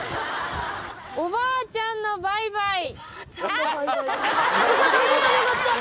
おばあちゃんのバイバイです。